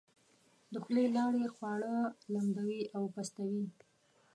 د خولې لاړې خواړه لمدوي او پستوي.